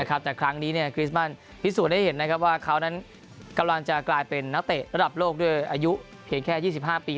แต่ครั้งนี้คริสมันพิสูจน์ได้เห็นว่าเขานั้นกำลังจะกลายเป็นนักเตะระดับโลกด้วยอายุเพียงแค่๒๕ปี